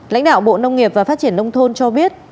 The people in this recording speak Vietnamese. lãnh đạo bộ nông nghiệp và phát triển nông thôn cho biết